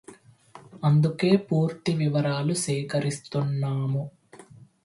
అందుకే పూర్తి వివరాలు సేకరిస్తున్నాము